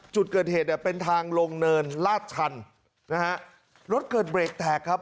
จุดเกิดเหตุเนี่ยเป็นทางลงเนินลาดชันนะฮะรถเกิดเบรกแตกครับ